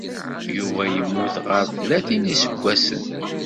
Yuba yemmut ɣer tlatin n yiseggasen.